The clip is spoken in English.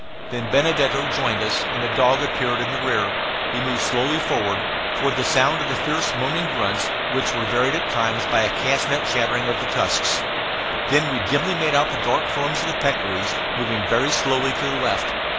Then Benedetto joined us, and the dog appeared in the rear. We moved slowly forward, toward the sound of the fierce moaning grunts which were varied at times by a castanet chattering of the tusks. Then we dimly made out the dark forms of the peccaries moving very slowly to the left.